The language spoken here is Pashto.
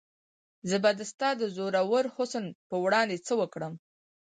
زه به د ستا د زورور حسن په وړاندې څه وم؟